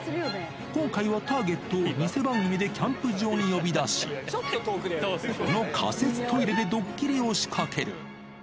今回はターゲットを偽番組でキャンプ場に呼び出し、この仮設トイレでドッキリを仕掛ける。